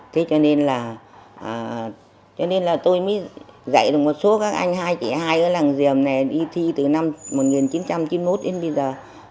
thế cho nên là cho nên là tôi mới dạy được một số các anh hai chị hai ở làng diềm này đi thi từ năm một nghìn chín trăm chín mươi một đến bây giờ